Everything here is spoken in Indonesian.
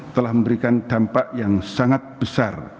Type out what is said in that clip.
telah memberikan dampak yang sangat besar